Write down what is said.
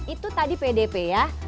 itu tadi pdp ya